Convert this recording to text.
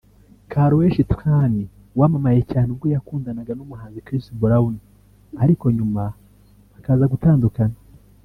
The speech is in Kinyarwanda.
Karrueche Tran wamamaye cyane ubwo yakundanaga n’umuhanzi Chris Brown ariko nyuma bakazagutandukana